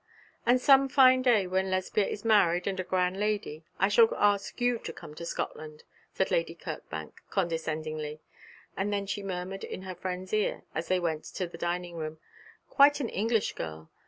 'And some fine day, when Lesbia is married and a great lady, I shall ask you to come to Scotland,' said Lady Kirkbank, condescendingly, and then she murmured in her friend's ear, as they went to the dining room, 'Quite an English girl.